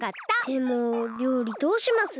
でもりょうりどうします？